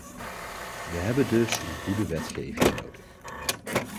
We hebben dus een goede wetgeving nodig.